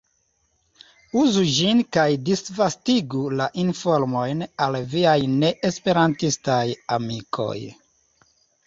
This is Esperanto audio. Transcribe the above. Uzu ĝin kaj disvastigu la informojn al viaj ne-esperantistaj amikoj.